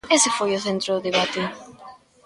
Ese foi o centro do debate.